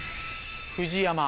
ＦＵＪＩＹＡＭＡ。